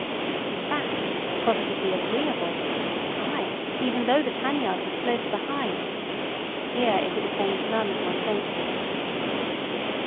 In fact, positively agreeable ay, even though the tan yard was close behind; but here it would offend none of my senses.